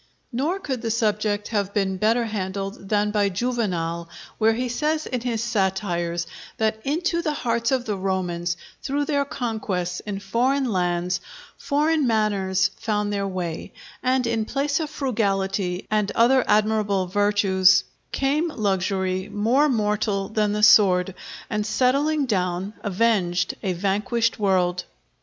Nor could the subject have been better handled than by Juvenal, where he says in his Satires, that into the hearts of the Romans, through their conquests in foreign lands, foreign manners found their way; and in place of frugality and other admirable virtues— "Came luxury more mortal than the sword, And settling down, avenged a vanquished world."